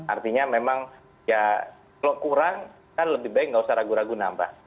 artinya memang ya kalau kurang kan lebih baik nggak usah ragu ragu nambah